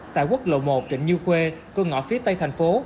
tại quốc lộ một trịnh như khuê cơn ngõ phía tây thành phố